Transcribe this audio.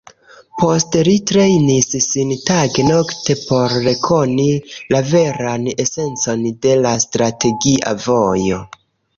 Poste li trejnis sin tage-nokte por rekoni la veran esencon de la Strategia Vojo.